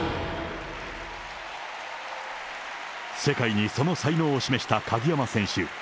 世界にその才能を示した鍵山選手。